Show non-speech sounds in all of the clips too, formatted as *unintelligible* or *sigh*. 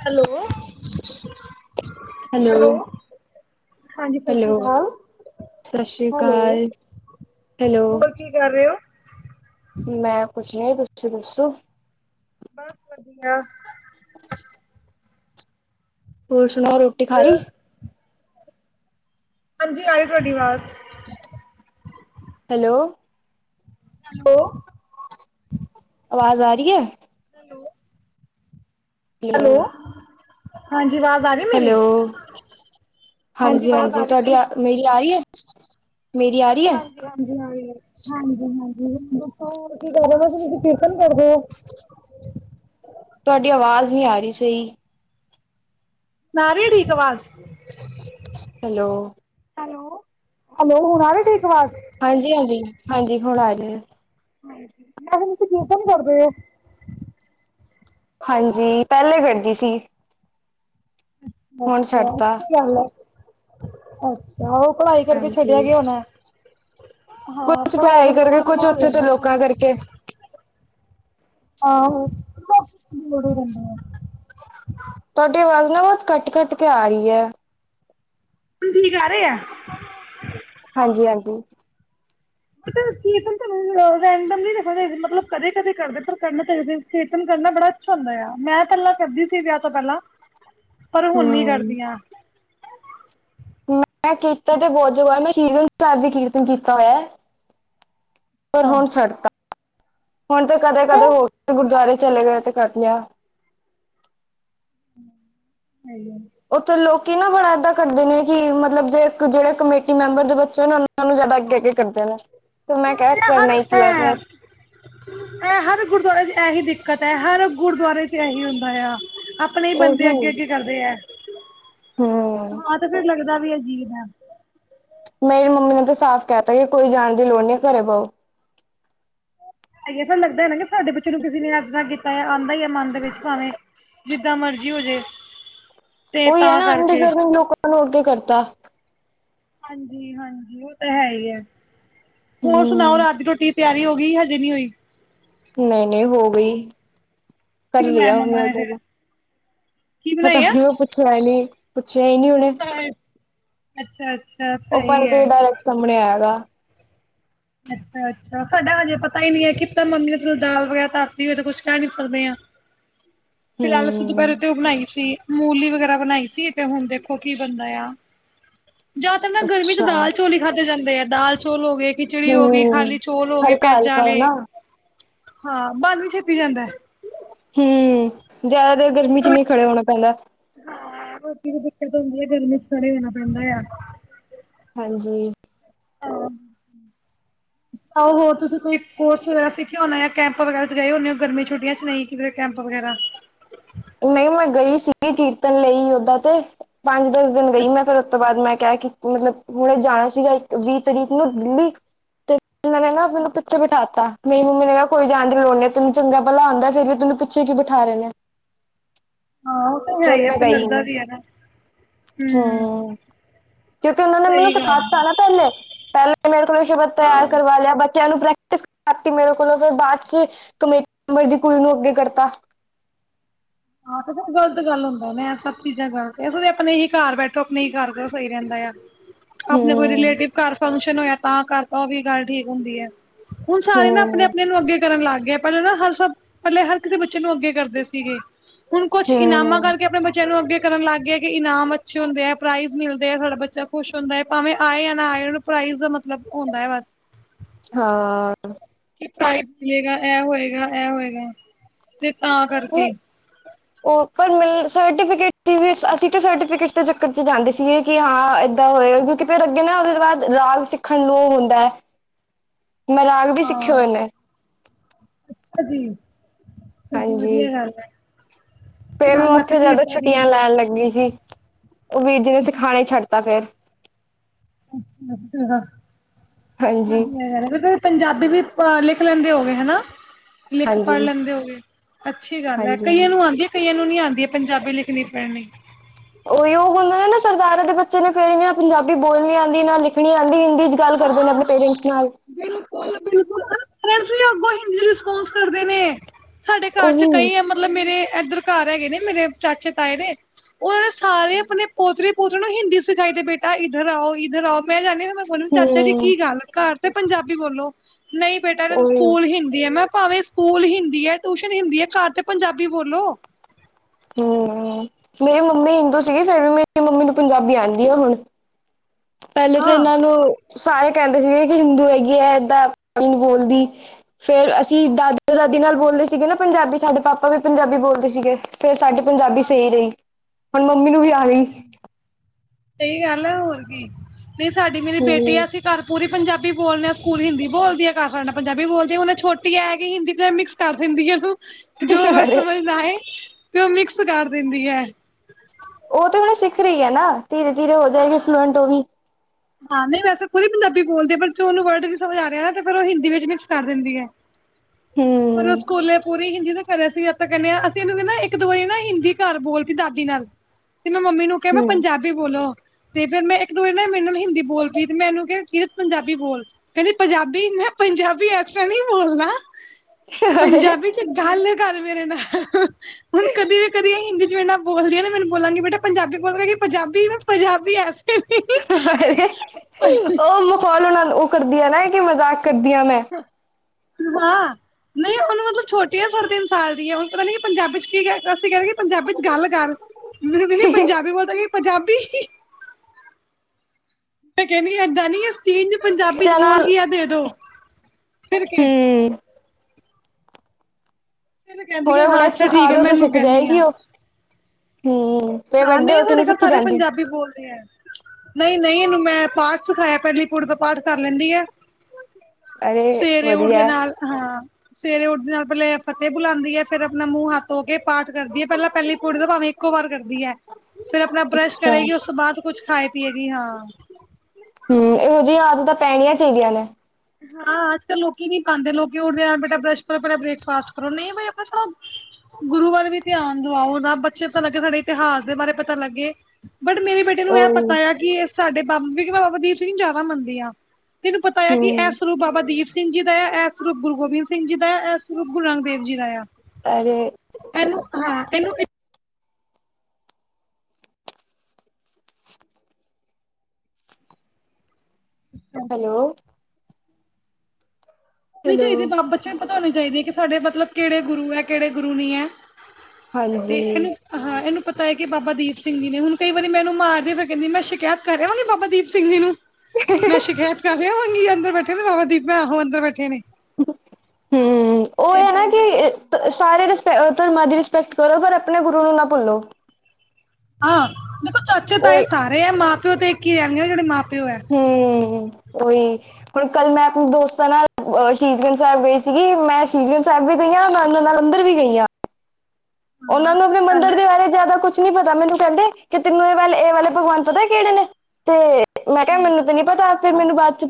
Hello hello ਹਾਂਜੀ ਸਤਿ hello ਸ਼੍ਰੀ ਅਕਾਲ ਸਤ ਸ਼੍ਰੀ ਹੈਲੋ ਅਕਾਲ ਹੈਲੋ ਹੋਰ ਕੀ ਕਰ ਰਹੇ ਹੋ ਮੈਂ ਕੁਛ ਨ ਤੁਸੀ ਦੱਸੋ ਬਸ ਵਧੀਆ *unintelligible* ਹੋਰ ਸੁਣਾਓ ਰੋਟੀ ਖਾ ਲਈ ਹਾਂਜੀ ਆਈ ਤੁਹਾਡੀ ਆਵਾਜ਼ ਹੈਲੋ ਹੈਲੋ ਆਵਾਜ਼ ਆ ਰਹੀ ਏ ਹੈਲੋ *unintelligible* ਹਾਂਜੀ ਬਾ ਹੈਲੋ ਹਾਂਜੀ ਆਵਾਜ਼ ਆ ਹਾਂਜੀ ਰਹੀ ਤੁਹਾਡੀ ਮੇਰੀ ਆ ਰਹੀ ਏ ਮੇਰੀ ਆ ਰਹੀ ਹੈ? ਹਾਂਜੀ ਹਾਂਜੀ ਹ ਹਾਂਜੀ ਹਾਂਜੀ ਦੱਸੋ ਹੋਰ ਕੀ ਕਰ ਤੁ ਤੁਂ ਕੀਰਤਨ ਕਰਦੋ ਓ ਤੁਹਾਡੀ ਆਵਾਜ਼ ਨਹੀਂ ਆ ਰਹੀ ਸਹੀ ਹੁਣ ਆ ਰਹੀ ਠੀਕ ਆਵਾਜ਼ ਹੈਲੋ ਹੈਲੋ, ਹੈਲੋ ਹੁਣ ਠੀਕ ਆਵਾਜ਼ ਹਾਂਜੀ -ਹਾਂਜੀ- ਹਾਂਜੀ ਹੁਣ ਆ ਰਹੀ ਹੈ। ਮੈਂ ਕਿਹਾ ਤੁਸੀਂ ਕੀਰਤਨ ਕਰਦੇ ਹੋ ਹਾਂਜੀ, ਪਹਿਲੇ ਕਰਦੀ ਸੀ ਹੁਣ ਅੱਛਾ, ਛੱਡਤਾ ਅੱਛੀ ਗੱਲ ਹੈ ਅੱਛਾ ਉਹ ਪੜ੍ਹਾਈ ਕਰਕੇ ਛੱਡਿਆ ਹਾਂਜੀ। ਗਿਆ ਹੋਣਾ ਹਾਂ, ਕੁਛ ਪੜ੍ਹਾਈ ਦਾ ਕਰਕੇ ਲੋੜ ਕੁਛ ਵਗੈਰਾ ਉੱਥੇ ਦੇ ਹੁੰਦਾ *inaudible* ਆਹ ਰ ਤੁਹਾਡੀ ਆਵਾਜ਼ ਨਾ ਬਹੁਤ ਕੱਟ -ਕੱਟ ਕੇ ਆ ਰਹੀ ਹੈ। ਹੁਣ ਠੀਕ ਆ ਰਹੇ ਆ ਹਾਂਜੀ- ਹਾਂਜੀ। ਕੀਰਤਨ ਰੰਡੋਮਲੀ ਮਤਲਬ ਕਦੇ ਕਦੇ ਕਰਦੇ ਪਰ ਕਰਨਾ ਚਾਹੀਦਾ ਮਤਲਬ ਕਰਨਾ ਬੜਾ ਕੁਛ ਹੁੰਦਾ ਆ ਮੈਂ ਪਹਿਲਾਂ ਕਰਦੀ ਸੀ ਵਿਆਹ ਤੋਂ ਪਹਿਲਾਂ, ਪਰ ਹੁਣ ਨੀ ਹਮ ਕਰਦੀਆਂ ਮੈਂ ਕੀਰਤਨ ਤੇ ਬਹੁਤ ਜਗਾਇਆ ਮੈਂ ਸ਼੍ਰੀ ਗੰਥ ਸਾਹਿਬ ਵੀ ਕੀਰਤਨ ਕੀਤਾ ਹੋਇਆ ਪਰ ਹੁਣ ਛੱਡਤਾ, ਹੁਣ ਤੇ ਕਦੇ ਕਦੇ ਹੋ ਕੇ ਗੁਰਦੁਆਰੇ ਚਲੇ ਗਏ ਤੇ ਕਰ ਲਿਆ ਹ ਆੋ ਉੱਥੇ ਲੋਕ ਨਾ ਬੜਾ ਏਦਾਂ ਕਰਦੇ ਨੇ ਕਿ ਮਤਲਬ ਜੇ ਜਿਹੜੇ ਕਮੇਟੀ ਮੈਂਬਰ ਦੇ ਬੱਚੇ ਤੁਹਾਨੂੰ ਜਿਆਦਾ ਕਹਿ ਕੇ ਕਰਦੇ ਨੇ ਤੇ ਮੈਂ ਕਿਹਾ ਇਹ ਹਰ ਕਰਨਾ ਹੀ ਸੀਗਾ ਫਿਰ ਇਹ ਇਹ ਹਰ ਗੁਰਦੁਆਰੇ ਚ ਇਹੀ ਦਿੱਕਤ ਹੈ, ਹਰ ਗੁਰਦੁਆਰੇ ਚ ਇਹੀ ਹੁੰਦਾ ਆ ਆਪਣੇ ਹੀ ਬੰਦੇ ਉਹੀ ਅੱਗੇ -ਅੱਗੇ ਕਰਦੇ ਹੈ ਹੂੰ ਹਾਂ ਤੇ ਫੇਰ ਲੱਗਦਾ ਵੀ ਅਜੀਬ ਹੈ ਮੇਰੀ ਮੰਮੀ ਨੇ ਤਾਂ ਸਾਫ਼ ਕਹਿਤਾ ਕਿ ਕੋਈ ਜਾਣ ਦੀ ਲੋੜ ਨਹੀਂ ਘਰੇ ਬੋ ਆ ਫਿਰ ਲੱਗਦਾ ਹੈ ਨਾ ਕਿ ਸਾਡੇ ਬੱਚੇ ਨੂੰ ਕਿਸੇ ਨੇ ਰਜਣਾ ਕੀਤਾ ਆਉਂਦਾ ਹੀ ਹੈ ਮਨ ਦੇ ਵਿੱਚ ਭਾਵੇਂ ਜਿੱਦਾਂ ਮਰਜ਼ੀ ਹੋ ਜਾਏ ਉਹੀ ਹੈ ਨਾ ਅਨਡਿਜ਼ਰਵਿੰਗ ਲੋਕਾਂ ਨੂੰ ਅੱਗੇ ਕਰ ਦਿੱਤਾ। ਹਾਂਜੀ- ਹਾਂਜੀ ਉਹ ਤਾਂ ਹੈ ਹੀ ਹੈ ਹੋਰ ਸੁਣਾਓ ਹੂੰ ਰਾਤ ਦੀ ਰੋਟੀ ਤਿਆਰੀ ਹੋ ਗਈ, ਹਜੇ ਨਹੀਂ ਹੋਈ ਨਹੀਂ- ਨਹੀਂ ਹੋ ਗਈ ਕਰ ਕੀ ਬਣਾਇਆ ਲਿਆ ਮੰਮਾ ਹਮਨੇ ਨੇ ਫਿਰ ਕੀ ਤੋਪਤਾ ਬਣਾਇਆ ਨੀ ਉਹ ਪੁੱਛਿਆ ਨੀ ਪੁੱਛਿਆ ਹੀ ਨੀ ਉਹਨੇ ਅੱਛਾ,। ਅੱਛਾ ਉਹ ਸਹੀ ਬਣ ਹੈ ਕੇ ਡਾਇਰੈਕਟ ਸਾਹਮਣੇ ਆਏਗਾ। ਅੱਛਾ, ਅੱਛਾ ਸਾਡਾ ਹਜੇ ਪਤਾ ਹੀ ਨੀ ਹੈ ਕਿ ਮੰਮੀ ਨੇ ਦਾਲ ਵਗੈਰਾ ਧਰਦੀ ਹੋ ਤੇ ਕੁੱਝ ਕਹਿ ਨੀ ਸਕਦੇ ਆ ਫਿਲਹਾਲ ਅਸੀ ਦੁਪਹਿਰ ਹੂੰ ਤੇ ਉਹ ਬਣਾਈ ਸੀ ਮੂਲੀ ਵਗੈਰਾ ਬਣਾਈ ਸੀ ਤੇ ਹੁਣ ਦੇਖੋ ਕੀ ਬਣਦਾ ਆ ਜ਼ਿਆਦਾਤਰ ਨਾ ਗਰਮੀ ਚ ਅੱਛਾ ਦਾਲ ਚੋਲ ਹੀ ਖਾਧੇ ਜਾਂਦੇ ਆ, ਦਾਲ ਚੋਲ ਹੋ ਗਏ ਖਿਚੜੀ ਹੋ ਗਈ, ਹੂੰ ਖਾਲੀ ਚੌਲ ਹੋ ਗਏ ਹਲਕਾ ਪਿਆਜਾਂ ਹਲਕਾ ਵਾਲੇ ਨਾ ਹਾਂ, ਬਣ ਵੀ ਛੇਤੀ ਜਾਂਦਾ ਹੈ ਹਮ, ਜਿਆਦਾਤਰ ਗਰਮੀ ਚ ਨਹੀਂ ਰੋਟੀ ਖੜੇ ਹੋਣਾ ਪੈਂਦਾ ਹਾਂ ਰੋਟੀ ਦੀ ਦਿੱਕਤ ਹੁੰਦੀ ਆ ਗਰਮੀ ਚ ਖੜੇ ਹੋਣਾ ਪੈਂਦਾ ਆ ਹਾਂਜੀ। ਹਾਂ। ਆ ਉਹ ਹੋਰ ਤੁਸੀਂ ਕੋਈ ਕੋਰਸ ਵਗੈਰਾ ਸਿੱਖਿਆ ਹੋਣਾ ਜਾਂ ਕੈਂਪ ਵਗੈਰਾ ਚ ਗਏ ਹੋਣੇ ਹੋ ਗਰਮੀ ਛੁਟੀਆਂ ਚ ਨਹੀਂ ਕਿ ਕੈਂਪ ਵਗੈਰਾ ਨਹੀਂ ਮੈਂ ਗਈ ਸੀਗੀ ਕੀਰਤਨ ਲਈ ਓਦਾਂ, ਤੇ ਪੰਜ- ਦਸ ਦਿਨ ਗਈ ਮੈਂ ਫਿਰ ਤੋਂ ਬਾਅਦ ਮੈਂ ਕਿਹਾ ਕਿ ਮਤਲਬ ਹੁਣ ਜਾਣਾ ਸੀਗਾ ਵੀਹ ਤਰੀਕ ਨੂੰ ਦਿੱਲੀ ਤੇ ਮੈੰਨੂੰ ਨਾ ਆਪਨੂੰ ਪਿੱਛੇ ਬਿਠਾਤਾ ਮੇਰੀ ਮੰਮੀ ਨੇ ਕਿਹਾ ਕੋਈ ਜਾਣ ਦੀ ਲੋੜ ਨਹੀਂ ਹੈ ਤੈਨੂੰ ਚੰਗਾ ਭਲਾ ਆਉਂਦਾ ਫਿਰ ਵੀ ਤੈਨੂੰ ਪਿੱਛੇ ਕਿਉ ਬਿਠਾ ਰਹੇ ਨੇ ਆ ਹਾਂ ਉਹ ਹੀ ਫਿਰ ਲੱਗਦਾ ਵੀ ਹੈ। ਹਮ ਕਿਉਂਕਿ ਉਹਨਾਂ ਨੇ ਮੈਨੂੰ ਸਹੀ ਗੱਲ ਹੈ ਸਿਖਾਤਾ ਪਹਿਲੇ ਮੇਰੇ ਕੋਲੋਂ ਸ਼ਬਦ ਤਿਆਰ ਕਰਵਾ ਲਿਆ ਬੱਚ ਬੱਚਿਆਂ ਨੂੰ ਪ੍ਰੈਕਟਿਸ ਕਰਾਤੀ ਮੇਰੇ ਕੋਲੋਂ ਫਿਰ ਬਾਅਦ ਚ ਕਮੇਟੀ ਮੈਂਬਰ ਦੀ ਕੁੜੀ ਨੂੰ ਅੱਗੇ ਕਰਤਾ। ਹਾਂ ਤੇ ਗ਼ਲਤ ਗੱਲ ਹੁੰਦਾ ਨਾ ਮੈ ਇਹ ਸਭ ਚੀਜ਼ਾਂ ਗਲਤ ਆਪਣੇ ਹੀ ਘਰ ਬੈਠੋ ਆਪਣੇ ਹੀ ਘਰ ਕਰੋ ਸਹੀ ਰਹਿੰਦਾ ਆ। ਆਪਣੇ ਕੋਈ ਹੂੰ ਰਲੇਟਿਵ ਘਰ ਫੰਕਸ਼ਨ ਹੋਇਆ ਤਾਂ ਕਰ ਤਾਂ ਉਹ ਵੀ ਗੱਲ ਠੀਕ ਹੁੰਦੀ ਹੈ। ਹੁਣ ਸਾਰੇ ਨਾ ਆਪਣੇ ਹੂੰ ਆਪਣੇ ਨੂੰ ਅੱਗੇ। ਕਰਨ ਲੱਗ ਗਏ ਪਹਿਲਾਂ ਨਾ ਹਰ ਸਭ ਪਹਿਲੇ ਹਰ ਕਿਸੇ ਬੱਚੇ ਨੂੰ ਅੱਗੇ ਕਰਦੇ ਸੀਗੇ। ਹੁਣ ਕੁਛ ਇਨਾਮਾਂ ਹੂੰ ਕਰਕੇ ਆਪਣੇ ਬੱਚਿਆਂ ਨੂੰ ਅੱਗੇ। ਕਰਨ ਲੱਗ ਗਏ ਕਿ ਇਨਾਮ ਅੱਛੇ ਹੁੰਦੇ ਹੈ ਪ੍ਰਾਈਜ਼ ਮਿਲਦੇ ਹੈ ਸਾਡਾ ਬੱਚਾ ਖੁਸ਼ ਹੁੰਦਾ ਹੈ ਭਾਵੇਂ ਆਏ ਜਾਂ ਨਾ ਆਏ ਉਹਨੂੰ। ਪ੍ਰਾਈਜ਼ ਦਾ ਮਤਲਬ ਹੁੰਦਾ ਹੈ ਬਸ। ਹਾਂ। ਕੀ ਪ੍ਰਾਈਜ ਮਿਲੇਗਾ ਇਹ ਹੋਏਗਾ, ਇਹ ਹੋਏਗਾ ਤੇ ਤਾਂ ਨਹੀਂ ਕਰਕੇ। ਉਹ ਉੱਪਰ ਮ ਸਰਟੀਫਿਕੇਟ। ਅਸੀਂ ਤੇ ਸਰਟੀਫਿਕੇਟ ਦੇ ਚੱਕਰ ਚ ਜਾਂਦੇ ਸੀਗੇ ਕਿ ਹਾਂ ਏਦਾਂ ਹੋਏਗਾ ਕਿਉਂਕਿ ਫਿਰ ਅੱਗੇ ਨਾ ਉਹਦੇ ਬਾਅਦ ਰਾਗ। ਪੱਖਣ *inaudible* ਨੂੰ ਹੁੰਦਾ ਹੈ ਮੈ ਰਾਗ ਵੀ ਸਿੱਖੇ ਹਾਂ ਹੋਏ ਨੇ। ਅੱਛਾ ਜੀ ਤੁਸੀ ਹਾਂਜੀ ਵਧੀਆ ਗੱਲ ਆ। ਫੇਰ ਮੈਂ ਉੱਥੇ ਜਿਆਦਾ ਛੁੱਟੀਆਂ ਲੈਣ ਲੱਗੀ ਸੀ ਉਹ ਵੀਰ ਜੀ ਨੇ ਸਿਖਾਣਾ ਛੱਡਤਾ ਫੇਰ। ਅੱਛਾ ਹਾਂਜੀ ਵਧੀਆ *inaudible* ਪੰਜਾਬੀ ਵੀ ਅ ਲਿਖ ਲੈਂਦੇ ਹੋਗੇ ਹਨਾ? ਲਿਖ ਪੜ੍ਹ ਹਾਂਜੀ ਲੈਂਦੇ ਹੋਵੋਗੇ ਅੱਛੀ ਗੱਲ ਹੈ ਹਾਂਜੀ ਕਈਆਂ ਹਾਂਜੀ ਨੂੰ ਆਉਂਦੀ। ਕਈਆਂ ਨੂੰ ਨੀ ਆਉਂਦੀ ਹੈ ਪੰਜਾਬੀ ਲਿਖਣੀ ਪੜ੍ਹਨੀ। ਉਹੀ ਉਹ ਹੁੰਦਾ ਨੇ ਨਾ ਸਰਦਾਰਾਂ ਦੇ ਬੱਚੇ ਨੇ ਫੇਰ ਇਹ ਨਾਲ ਪੰਜਾਬੀ ਬੋਲਣੀ ਆਉਂਦੀ ਨਾ ਲਿਖਣੀ ਆਉਂਦੀ ਹਿੰਦੀ। ਗੱਲ ਕਰਦੇ ਨੇ ਆਪਣੇ ਪੇਰੈਂਟਸ ਨਾਲ। ਬਿਲਕੁਲ ਬਿਲਕੁਲ ਪਸ ਵੀ ਅਗੋਂ ਹਿੰਦਿ ਚ ਰਿਸਪੋਂਸ ਕਰਦੇ ਨੇ। ਸਾਡੇ ਘਰ ਚ ਉਹੀ ਕਈ ਹੈ ਮਤਲਬ ਮੇਰੇ ਇੱਧਰ ਘਰ ਹੈਗੇ ਨੇ ਮੇਰੇ ਚਾਚੇ ਤਾਏ ਨੇ। ਉਹਨਾਂ ਨੇ ਸਾਰੇ ਆਪਣੇ ਪੋਤਰੀ ਪੋਤਰੀਆਂ ਨੂੰ ਹਿੰਦੀ ਸਿਖਾਈ ਦੇ ਬੇਟਾ ਇੱਧਰ ਆਓ ਇੱਧਰ ਆਓ ਮੈਂ ਜਾਂਦੀ ਨਾ। ਹਮ ਚੱਲ ਘਰ ਤੇ ਪੰਜਾਬੀ ਬੋਲੋ ਨਹੀਂ ਬੇਟਾ ਇਹਨਾਂ ਦੇ ਉਹੀ ਸਕੂਲ ਹਿੰਦੀ ਹੈ ਮੈਂ ਕਿਹਾ ਭਾਵੇਂ। ਸਕੂਲ ਹਿੰਦੀ ਹੈ, ਟਿਊਸ਼ਨ ਹਿੰਦੀ ਹੈ, ਘਰ ਤੇ ਪੰਜਾਬੀ ਬੋਲੋ। ਹਮ ਮੇਰੀ ਮੰਮੀ ਹਿੰਦੂ ਸੀਗੀ ਫਿਰ ਵੀ ਮੇਰੀ ਮੰਮੀ ਨੂੰ ਪੰਜਾਬੀ ਆਉਂਦੀ ਆ ਹੁਣ। ਪਹਿਲੇ ਤਾਂ ਹਾਂ ਇਹਨਾਂ ਨੂੰ ਸਾਰੇ ਕਹਿੰਦੇ ਸੀਗੇ ਕਿ ਹਿੰਦੂ ਹੈਗੀ ਹੈ ਏਦਾਂ ਨਹੀਂ ਬੋਲਦੀ। ਫੇਰ ਅਸੀਂ ਦਾਦਾ ਦਾਦੀ ਨਾਲ ਬੋਲਦੇ ਸੀਗੇ ਨਾ ਪੰਜਾਬੀ ਸਾਡੇ ਪਾਪਾ ਵੀ ਪੰਜਾਬੀ ਬੋਲਦੇ ਸੀਗੇ। ਫੇਰ ਸਾਡੇ ਪੰਜਾਬੀ ਸਹੀ ਰਹੀ, ਹੁਣ ਮੰਮੀ ਨੂੰ ਵੀ ਆ ਗਈ। ਸਹੀ ਗੱਲ ਹੈ ਹੋਰ ਕੀ ਤੇ ਸਾਡੀ ਮੇਰੀ ਬੇਟੀ ਆ ਅਸੀ। ਘਰ ਪੂਰੀ ਪੰਜਾਬੀ ਬੋਲਦੇ ਹਾਂ ਸਕੂਲ ਹਿੰਦੀ ਬੋਲਦੀ ਘਰ ਸਾਡੇ ਨਾਲ ਪੰਜਾਬੀ ਬੋਲਦੀ ਉਹੇ ਛੋਟੀ ਹੈਗੀ ਹਿੰਦੀ ਤੋਂ ਮਿਕਸ। ਕਰ ਦਿੰਦੀ ਤੂੰ ਜੋ ਵਰਡ ਹਮ ਸਮਝ ਨਾ ਆਏ ਤੇ ਉਹ ਮਿਕਸ ਕਰ ਦਿੰਦੀ ਹੈ। ਉਹ ਤੇ ਹੁਣ ਸਿੱਖ ਰਹੀ ਹੈ ਨਾ ਧੀਰੇ ਧੀਰੇ ਹੋ ਜਾਏਗੀ ਫਲੂਐਂਟ ਉਹ ਵੀ। *unintelligible* ਹਾਂ ਨਹੀਂ ਵੈਸੇ ਫੁਲੀ ਪੰਜਾਬੀ ਬੋਲਦੇ, ਪਰ ਜੋ ਉਹਨੂੰ ਵਰਡ ਸਮਝ ਆ ਰਿਹਾ, ਨਾ ਤੇ ਫਿਰ ਉਹ ਹਿੰਦੀ ਵਿੱਚ ਮਿਕਸ ਕਰ ਦਿੰਦੀ ਹੈ। ਪਰ ਉਹ ਹਮ ਸਕੂਲੇ ਪੂਰ ਤੂਹੀ ਹਿੰਦੀ ਨੂੰ ਕਰਿਆ ਸੀ, ਆਪਾਂ ਕਹਨੇ ਆ ਅਸੀਂ ਇਹਨੂੰ ਇੱਕ ਦੋ ਵਾਰੀ ਨਾ ਹਿੰਦੀ ਕਰ ਬੋਲ ਸੀ ਦਾਦੀ ਨਾਲ ਤੇ ਮੈਂ ਮੰਮੀ ਨੂੰ ਕਿਹਾ ਮੈ ਪੰਜਾਬੀ ਬੋਲੋ। ਤੇ ਫੇਰ ਮੈਂ ਇੱਕ ਦੋ ਵਾਰ ਨਾ ਮੈਨੂੰ ਨਾਲ ਹਿੰਦੀ ਬੋਲ ਪਈ ਤੇ ਮੈਂਨੂੰ ਕਿਹਾ ਕਿਰਤ ਪੰਜਾਬੀ ਬੋਲ। ਕਹਿੰਦੀ ਪੰਜਾਬੀ, ਮੈ ਕਿਹਾ ਪੰਜਾਬੀ ਅਕਸ਼ਰ ਨੀ ਬੋਲਣਾ। ਅਰੇ ਪੰਜਾਬੀ ਚ ਗੱਲ ਕਰ ਮੇਰੇ ਨਾਲ ਹੁਣ ਕਦੀ ਵੀ ਕਦੀ ਹਿੰਦੀ ਚ ਮੇਰੇ ਨਾਲ। ਬੋਲਦੀਆਂ ਨੇ ਮੈਨੂੰ ਬੋਲਾਂਗੀ ਬੇਟੇ ਪੰਜਾਬੀ ਬੋਲ ਪੰਜਾਬੀ ਮੈਂ ਕਿਹਾ ਪੰਜਾਬੀ ਐ। ਉਹ ਮਖੌਲ ਉਹਨਾਂ ਨੂੰ ਉਹ ਕਰਦੀ ਆ ਨਾ ਕਿ ਮਜ਼ਾਕ ਕਰਦੀ ਹਾਂ ਮੈਂ। ਹਾਂ। ਨਹੀਂ ਉਹਨੂੰ ਮਤਲਬ ਛੋਟੀ ਆਂ ਸਾਡੇ ਤਿੰਨ ਸਾਲ ਦੀ ਹੈ ਉਹਨੂੰ ਪਤਾ ਨਹੀਂ ਪੰਜਾਬੀ ਚ ਕੀ ਅਸੀਂ ਕਹਿ ਰਹੇ ਕਿ ਪੰਜਾਬੀ ਚ ਗੱਲ ਕਰ। ਮੈਨੂੰ ਕਹਿੰਦੀ ਪੰਜਾਬੀ ਬੋਲਦਾ ਕਿ ਪੰਜਾਬੀ। ਮੈ ਕਹਿੰਣੀ ਏਦਾਂ ਨੀ ਚੀਜ਼ ਪੰਜਾਬੀ ਚ ਚਨਾ ਬੋਲ ਗਿਆ ਦੇ ਦੋ ਫਿਰ ਕੇ। ਹਮ ਫਿਰ ਕਹਿੰਦੀ ਹੁਣੇ ਆ ਹਾਂ ਹੁਣੇ ਅੱਛਾ ਸਿਖਾ ਠੀਕ ਹੈ ਦੋ ਤੇ ਮੈਨੂੰ ਸਿੱਖ ਕਹਿੰਦੀ ਜਾਏਗੀ, ਆ ਉਹ ਹੂੰ, ਹਾਂ ਨਹੀਂ ਹੁਣੇ ਤੇ ਸਾਰੇ ਪੰਜਾਬੀ ਬੋਲਦੇ ਹੈ। ਨਹੀਂ-ਨਹੀਂ, ਇਹਨੂੰ ਮੈਂ ਪਹਿਲੀ ਪੌੜੀ ਦਾ ਪਾਠ ਕਰ ਲੈਂਦੀ ਹੈ। ਅਰੇ ਸਵੇਰੇ ਉੱਠਦੇ ਵਧੀਆ ਨਾਲ ਹਾਂ। ਸਵੇਰੇ ਉੱਠਦੇ ਨਾਲ ਪਹਿਲੇ ਫਤਿਹ ਬੁਲਾਉਦੀ ਹੈ, ਫ਼ਿਰ ਆਪਣਾ ਮੂੰਹ ਹੱਥ ਧੋ ਕੇ ਪਾਠ ਕਰਦੀ ਹੈ, ਪਹਿਲਾਂ-ਪਹਿਲੀ ਪੋੜੀ ਦਾ ਭਾਵੇਂ ਇੱਕੋ ਵਾਰ ਕਰ। ਨੀ ਐ ਫੇਰ ਆਪਣਾ ਬਰਸ਼ ਅੱਛਾ ਹਮ ਕਰੇਗੀ, ਉਸ ਤੋਂ ਬਾਅਦ ਕੁਛ ਖਾਏ ਪੀਏਗੀ ਹਾਂ। ਹੂੰ ਇਹੋ ਜਿਹੀ ਆਦਤਾਂ ਪੈਣੀਆਂ ਚਾਹੀਦੀਆਂ ਨੇ, ਹਾਂ ਅੱਜ-ਕੱਲ ਲੋਕੀ ਨੀ ਖਾਦੇ ਲੋਕੀ ਉਠ ਦੇ ਆ ਬੇਟਾ ਬਰਸ਼ ਕਰੋ ਪਹਿਲਾ ਬ੍ਰੇਕਫਾਸਟ ਓ ਨਹੀਂ ਬਈ ਆਪੇ ਤੀ, ਗੁਰੂ ਵੱਲ ਵੀ ਧਿਆਨ ਦਵਾਓ ਨਾ, ਬੱਚੇ ਤਾਂ ਲੱਗੇ ਸਾਡੇ ਇਤਿਹਾਸ ਦੇ ਬਾਰੇ ਪਤਾ ਲੱਗੇ ਬਟ ਮੇਰੀ ਬੇਟੀ। ਤੈਨੂੰ ਇਹ ਪਤਾ ਉਹੀ ਆ, ਕਿ ਸਾਡੇ ਬ ਬਾਬਾ ਦੀਪ ਸਿੰਘ ਨੂੰ ਜ਼ਿਆਦਾ ਮੰਨਦੀ ਆ ਤੈਨੂੰ ਪਤਾ। ਆ ਇਹ ਹਮ ਸਰੂਪ ਬਾਬਾ ਦੀਪ ਸਿੰਘ ਜੀ ਦਾ ਹੈ, ਇਹ ਸਰੂਪ ਗੁਰੂ ਗੋਬਿੰਦ ਸਿੰਘ ਜੀ ਦਾ ਹੈ। ਗੁਰੂ ਨਾਨਕ ਦੇਵ ਜੀ ਦੀਆ ਅਰੇ ਐਨੂੰ ਹਾਂ ਇਹਨੂੰ ਹੈਲੋ, ਹੈਲੋ ਚਾਹੀਦੀ ਬਪ ਚ ਬੱਚਿਆਂ ਨੂੰ ਪਤਾ ਹੋਣਾ ਚਾਹੀਦੀ ਹੈ, ਕਿ ਸਾਡੇ ਮਤਲਬ ਕਿਹੜੇ ਗੁਰੂ ਹੈ ਕਿਹੜੇ ਗੁਰੂ ਨੀ ਹੈ। ਤੇ ਹਾਂਜੀ ਇਹਨੂੰ ਹਾਂ ਇਹਨੂੰ ਪਤਾ ਹੈ, ਕਿ ਬਾਬਾ ਦੀਪ ਸਿੰਘ ਜੀ ਨੇ ਹੁਣ ਕਈ ਵਾਰੀ ਮੈਨੂੰ ਮਾਰਦੇ ਫਿਰ ਕਹਿੰਦੀ ਮੈਂ ਸ਼ਿਕਾਇਤ ਕਰ ਅਵਾਗੀ, ਬਾਬਾ ਦੀਪ ਸਿੰਘ ਜੀ ਨੂੰ ਮੈਂ ਸ਼ਿਕਾਇਤ ਕਰ ਅਵਾਗੀ, ਅੰਦਰ ਬੈਠੇ ਨੇ ਬਾਬਾ ਦੀਪ ਮੈਂ ਆਹੋ ਅੰਦਰ ਬੈਠੇ ਨੇ, ਹੂੰ, ਉਹ ਹੈ, ਏਦਾਂ ਨਾ ਏਦਾਂ ਕਿ ਕਰਦੇ ਤ ਸਾਰੇ ਰਿਸਪੈ ਧਰਮਾਂ ਦੀ ਰਿਸਪੈਕਟ ਕਰੋ, ਪਰ ਆਪਣੇ ਗੁਰੂਆਂ ਨੂੰ ਨਾ ਭੁੱਲੋ ਹਾਂ ਦੇਖੋ, ਚਾਚੇ ਤਾਏ ਓਏ ਸਾਰੇ ਆ ਮਾਂ ਪਿਓ ਤੇ ਇੱਕ ਹੀ ਰਹਿੰਦੇ ਹੈ, ਜਿਹੜੇ ਮਾਂ ਪਿਓ ਹੈ। ਹੂੰ ਹੀ, ਹੁਣ ਕੱਲ ਮੈਂ ਆਪਣੇ ਦੋਸਤਾਂ ਨਾਲ ਸ਼ਹੀਦਗੰਜ ਸਾਹਿਬ ਗਈ ਸੀਗੀ, ਮੈਂ ਸ਼ਹੀਦਗੰਜ ਸਾਹਿਬ ਵੀ ਗਈਆਂ ਨਾਨ-ਨਾਲ ਅੰਦਰ ਵੀ ਗਈਆਂ। ਉਹਨਾਂ ਨੂੰ ਆਪਣੇ ਮੰਦਿਰ ਦੇ ਹੈਲੋ ਬਾਰੇ ਜ਼ਿਆਦਾ ਕੁਛ ਕੁਛ ਨੀ ਪਤਾ ਮੈਨੂੰ ਕਹਿੰਦੇ ਕਿ, ਤੈਨੂੰ ਇਹ ਵਾਲੇ ਇਹ ਵਾਲੇ ਭਗਵਾਨ ਪਤਾ ਕਿਹੜੇ ਨੇ ਤੇ ਮੈਂ ਕਿਹਾ ਮੈਨੂੰ ਤੇ ਨਹੀ ਪਤਾ ਫੇਰ ਮੈਨੂੰ ਬਾਅਦ ਚ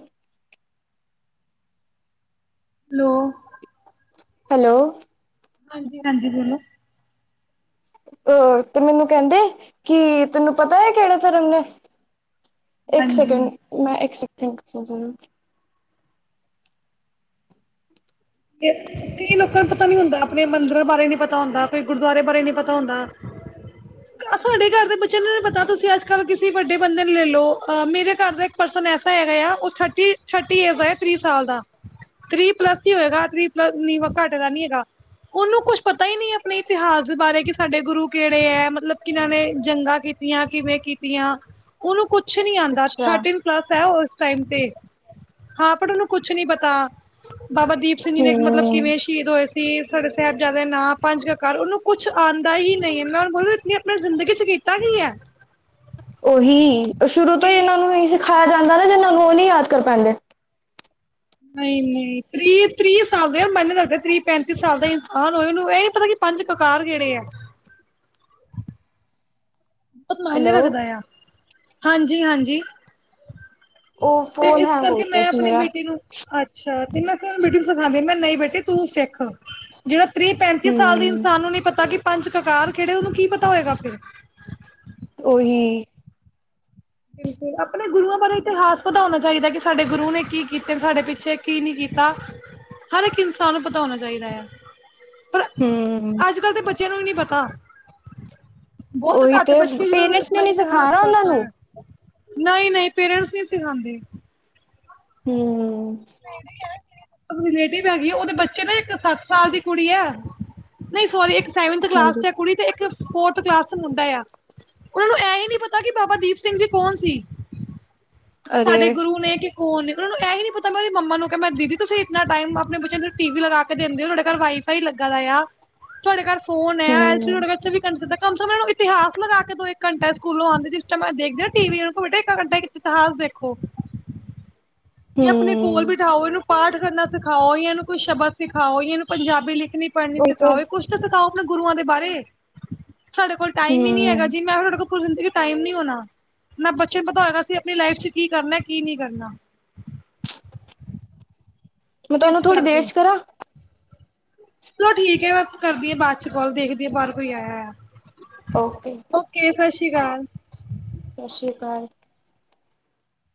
ਹੈਲੋ, ਹੈਲੋ, ਹਾਂਜੀ, ਹਾਂਜੀ ਬੋਲੋ, ਅ ਤੇ ਮੈਨੂੰ ਕਹਿੰਦੇ ਕਿ ਤੈਨੂੰ ਪਤਾ ਹੈ ਕਿਹੜੇ ਧਰਮ ਨੇ, ਇੱਕ ਹਾਂਜੀ ਸੈਕਿੰਡ ਮੈਂ ਇੱਕ ਸਕਿੰਡ ਰੁਕੋ ਜਰਾ। ਕਈ ਲੋਕਾਂ ਨੂੰ ਪਤਾ ਨੀਂ ਹੁੰਦਾ, ਆਪਣੇ ਮੰਦਿਰਾਂ ਬਾਰੇ ਨੀ ਪਤਾ ਹੁੰਦਾ। ਕੋਈ ਗੁਰਦੁਆਰੇ ਬਾਰੇ ਨੀ ਪਤਾ ਹੁੰਦਾ, ਸਾਡੇ ਘਰ ਦੇ ਬੱਚਿਆਂ ਨੂੰ ਨੀ ਪਤਾ ਤੁਸੀਂ ਅੱਜ-ਕੱਲ ਕਿਸ ਤੁਸੀਂ ਵੱਡੇ ਬੰਦੇ ਨੂੰ ਲੈ ਲਓ, ਮੇਰੇ ਘਰ ਦਾ ਇੱਕ ਪਰਸਨ ਐਸਾ ਹੈਗਾ ਆ, ਉਹ ਥਰਟੀ ਥਰਟੀ ਏਰਜ਼ ਹੈ। ਥਰੀ ਸਾਲ ਦਾ ਥਰੀ ਪਲੱਸ ਹੀ ਹੋਏਗਾ, ਥਰੀ ਪਲੱਸ ਨ ਘੱਟ ਦਾ ਨੀ ਹੈਗਾ। ਉਹਨੂੰ ਕੁਛ ਪਤਾ ਹੀ ਨਹੀਂ ਆਪਣੇ ਇਤਿਹਾਸ ਦੇ ਬਾਰੇ ਕਿ, ਸਾਡੇ ਗੁਰੂ ਕਿਹੜੇ ਹੈ ਮਤਲਬ ਕਿਨਾਂ ਨੇ ਜੰਗਾ। *unintelligible* ਕਿਵੇਂ ਕੀਤੀਆਂ ਉਹਨੂੰ ਕੁਛ ਨੀ ਆਦਾ ਅੱਛਾ ਥਰਟੀਨ ਹੈ ਉਸ ਟਾਈਮ ਤੇ ਹਾਂ ਬੱਟ ਉਹਨੂੰ ਕੁਛ ਨੀ ਪਤਾ ਬਾਬਾ ਦੀਪ *unintelligible* ਕਿ ਮਤਲਬ ਹੂੰ ਕਿਵੇਂ ਸ਼ਹੀਦ ਹੋਏ ਸੀ ਸਾਡੇ ਸਾਹਿਬਜ਼ਾਦੇ ਨਾਂ ਪੰਜ ਕ ਕਾਰ ਉਹਨੂੰ ਕੁਛ ਆਉਂਦਾ ਹੀ ਨਹੀਂ ਹੈ, ਮੈਂ ਬਲਕਿ ਆਪਣੀ ਜ਼ਿੰਦਗੀ ਚ ਕੀਤਾ ਹੀ ਹੈ। ਉਹੀ ਸ਼ੁਰੂ ਤੋਂ ਤ੍ਰੀ ਹੀ ਇਹਨਾਂ ਨੂੰ ਹਾਂ, ਸਿਖਾਇਆ ਜਾਂਦਾ, ਨਾ ਜਨਾਂ ਨੂੰ ਉਹ ਨਹੀਂ ਯਾਦ ਕਰ ਪੈਂਦੇ। ਨਹੀਂ-ਨਹੀਂ ਤੀਹ ਤ੍ਰੀਹ ਸਾਲ ਦੇ ਮੰਨ ਦੱਸਦੇ, ਤੀਹ ਪੈਂਤੀ ਸਾਲ ਦਾ ਇਨਸਾਨ ਹੋਏ, ਉਹਨੂੰ ਇਹ ਪਤਾ ਕੀ। ਪੰਜ ਕਕਾਰ ਕਿਹੜੇ ਆ। ਬਹੁਤ ਮਾਹਿਨੇ ਹੈਲੋ ਰੱਖਦਾ ਆ, ਹਾਂਜੀ-ਹਾਂਜੀ। ਉਹ ਤੇ ਫੋਨ ਇਸ ਹੈਂਗ ਹੋ ਕਰਕੇ ਗਿਆ ਮੈਂ ਸੀ ਆਪਣੀ ਮੇਰਾ ਬੇਟੀ ਨੂੰ ਅੱਛਾ ਤੇ ਮੈਂ ਬੇਟੀ ਨੂੰ ਸਿਖਾਦੀ ਮੈਂ ਕਿਹਾ, ਨਹੀਂ ਬੇਟੇ ਤੂੰ ਸਿੱਖ ਜਿਹੜਾ ਤ੍ਰੀਹ ਪੈਂਤੀ ਸਾਲ ਦੀ ਹੂੰ ਇਨਸਾਨ ਨੂੰ ਨਹੀਂ ਪਤਾ, ਕਿ ਪੰਜ ਕਕਾਰ ਖੇੜੇ ਉਹਨੂੰ ਕੀ ਪਤਾ ਹੋਏਗਾ ਫਿਰ ਉਹੀ, ਆਪਣੇ ਗੁਰੂਆਂ ਬਾਰੇ ਇਤਿਹਾਸ ਪਤਾ ਹੋਣਾ ਚਾਹੀਦਾ ਕਿ ਸਾਡੇ ਗੁਰੂ ਨੇ ਕੀ ਕੀਤੇ ਸਾਡੇ ਪਿੱਛੇ ਕੀ ਨੀ ਕੀਤਾ। ਹਰ ਇੱਕ ਇਨਸਾਨ ਨੂੰ ਪਤਾ ਹੋਣਾ ਚਾਹੀਦਾ ਆ। ਪਰ ਹੂੰ ਅੱਜ ਕੱਲ ਦੇ ਬੱਚਿਆਂ ਨੂੰ ਵੀ ਨੀ ਪਤਾ। ਬੌਤ ਉਹੀ ਘੱਟ ਤੇ ਬੱਚੇ ਜਿਨ੍ਹਾਂ ਨੂੰ ਪੇਰੈਂਟਸ ਨੇ ਆਪਣਾ ਨੀ ਇਤਿਹਾਸ ਸਿਖਾਣਾ ਉਹਨਾਂ ਪਤਾ ਨੂੰ ਹੈ। ਨਈ-ਨਈ ਪੇਰੈਂਟਸ ਨੀ ਸਿਖਾਉਂਦੇ। ਹਮ ਰਲੇਟਿਵ ਹੈਗੀ ਉਹਦੇ ਬੱਚੇ ਨਾ ਇੱਕ ਸੱਤ ਸਾਲ ਦੀ ਕੁੜੀ ਆ। ਨਹੀਂ ਸੋਰੀ ਇੱਕ ਸੇਵਨਥ ਕਲਾਸ ਹਾਂਜੀ ਚ ਕੁੜੀ ਤੇ ਇੱਕ ਫੋਰਥ ਕਲਾਸ ਚ ਮੁੰਡਾ ਆ। ਉਨੂੰ ਇਹ ਹੀ ਨੀ ਪਤਾ ਕਿ ਬਾਬਾ ਦੀਪ ਸਿੰਘ ਜੀ ਕੌਣ ਸੀ। ਅਰੇ ਸਾਡੇ ਗੁਰੂ ਨੇ ਕਿ ਕੌਣ ਨੇ ਉਹਨਾ ਨੂੰ ਏਹ ਹੀ ਨੀ ਪ ਤੇ ਮੈਂ ਉਹਦੀ ਮੰਮਾ ਨੂੰ ਕਿਹਾ ਮੈਂ ਦੀਦੀ ਤੁਸੀਂ ਇਤਨਾ ਟਾਈਮ ਆਪਣੇ ਬੱਚਿਆਂ ਨੂੰ ਟੀਵੀ ਲਗਾ ਕੇ ਦੇਿੰਦੇ ਹੋ ਤੁਹਾਡੇ ਘਰ ਵਾਈਫਾਈ ਲੱਗਾ ਦਾ ਆ। ਤੁਹਾਡੇ ਘਰ ਫੋਨ ਹੈ ਐਲਸੀਡੀ ਹੂੰ ਤੁਹਾਡੇ ਘਰ ਚੋਂਵੀ ਘੰਟੇ ਚਲਦਾ ਕਮ ਸੇ ਕਮ ਇਹਨਾਂ ਨੂੰ ਇੱ ਤਿਹਾਸ ਲਗਾ ਕੇ ਦੋ ਇੱਕ ਘੰਟਾ ਸਕੂਲੋਂ ਆਉਂਦੇ ਜਿਸ ਮੈਂ ਦੇਖ ਘੰਟ ਇਤਿਹਾਸ ਦੇਖੋ। ਯਾ ਆਪਨੇ ਕੋਲ ਹੂੰ ਬਿਠਾਓ ਇਹਨੂੰ ਪਾਠ ਕਰਨਾ ਸਿਖਾਓ ਯਾ ਇਹਨੂੰ ਕੋਈ ਸ਼ਬਦ ਸਿਖਾਓ ਯਾ ਇਹਨੂੰ ਪੰਜਾਬੀ ਲਿਖਨੀ ਪੜਨੀ ਉਹੀ ਤੇ ਸਿਖਾਓ ਕੁਛ ਤਾਂ ਸਿਖਾਓ ਆਪਣੇ ਗੁਰੂਆਂ ਦੇ ਬਾਰੇ। ਸਾਡੇ ਕੋਲ ਟਾਈਮ ਹੀ ਨੀ ਹੂੰ ਹੈਗਾ ਜੀ ਮੈਂ ਤੁਹਾਡੇ ਕੋਲ ਪੂਰੀ ਜ਼ਿੰਦਗੀ ਟਾਈਮ ਨਹੀਂ ਹੋਣਾ ਨਾ ਬੱਚੇ ਨੂੰ ਪਤਾ ਸੀ ਆਪਣੀ ਲਾਈਫ ਚ ਕੀ ਕਰਨਾ ਕੀ ਨੀ ਕਰਨਾ। ਮੈਂ ਇਸ ਤੁਹਾਨੂੰ ਥੋੜ੍ਹੀ ਦੇਰ ਕਰਕੇ ਚ ਕਰਾਂ? ਚਲੋ ਠੀਕ ਹੈ ਮੈਂ ਕਰਦੀ ਆ ਬਾਅਦ ਚ ਕਾਲ ਦੇਖਦੀ ਆ ਬਾਹਰ ਕੋਈ ਆਇਆ ਆ ਓਕੇ ਉ ਕੇ ਸਸ ਸ੍ਰੀ ਕਾਲ। ਸਸ ਸ੍ਰੀ ਕਾਲ।